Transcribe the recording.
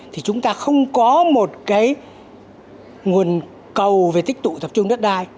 thì chúng ta không có một cái nguồn cầu về tích tụ tập trung đất đai